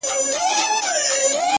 • پر ټولۍ باندي راغلی یې اجل دی ,